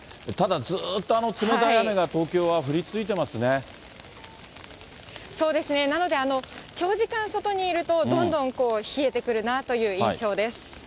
ただ、ずっと冷たい雨が東京は降そうですね、なので、長時間外にいると、どんどん冷えてくるなという印象です。